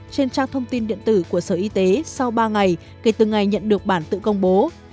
trên trang thông tin điện tử của sở y tế sau ba ngày kể từ ngày nhận được bản tự công bố